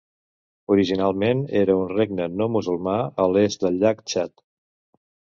Originalment era un regne no musulmà a l'est del llac Txad.